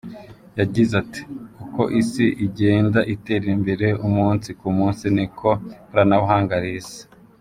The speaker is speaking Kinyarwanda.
Yagize ati “Uko isi igenda itera imbere umunsi ku munsi niko ikoranabuhanga riza.